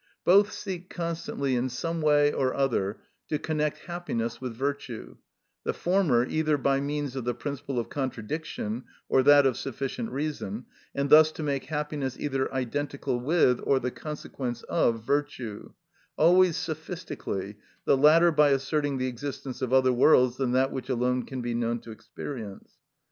Both seek constantly in some way or other to connect happiness with virtue, the former either by means of the principle of contradiction or that of sufficient reason, and thus to make happiness either identical with or the consequence of virtue, always sophistically; the latter, by asserting the existence of other worlds than that which alone can be known to experience.